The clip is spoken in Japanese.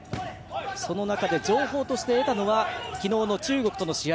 その中で情報として得たのは昨日の中国との試合。